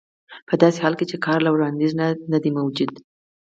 په داسې حال کې چې کار له وړاندې نه دی موجود